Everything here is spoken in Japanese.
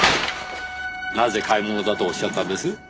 なぜ買い物だとおっしゃったんです？